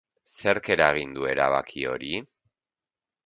Zerk eragin du erabaki hori?